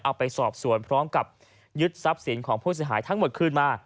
เอาไปสอบสวนพร้อมกับยึดทรัพย์สินของผู้เสียหายทั้งหมดคืนมา